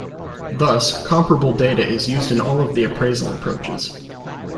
Thus, comparable data is used in all of the appraisal approaches.